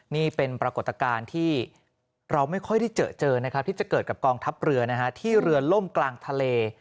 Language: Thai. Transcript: นี่เป็นปรากฏการณ์ที่เราไม่ค่อยได้เจอเจอนะครับที่จะเกิดกับกองทัพเรือที่เรือล่มกลางทะเล